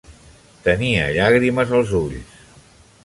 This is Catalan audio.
Tenia llàgrimes als ulls.